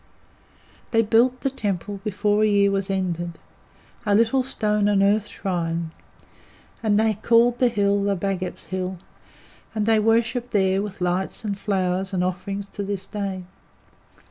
They built the temple before a year was ended a little stone and earth shrine and they called the hill the Bhagat's hill, and they worship there with lights and flowers and offerings to this day.